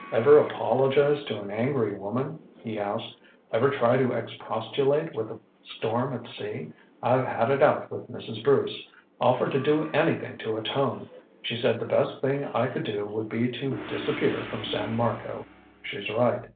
"Ever apologize to an angry woman?" he asked. "Ever try to expostulate with a storm at sea? I've had it out with Mrs. Bruce offered to do anything to atone she said the best thing I could do would be to disappear from San Marco. She's right.